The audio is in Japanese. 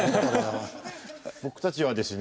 僕たちはですね